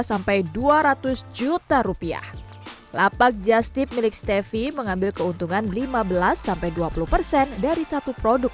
sampai dua ratus juta rupiah lapak justip milik stefi mengambil keuntungan lima belas dua puluh persen dari satu produk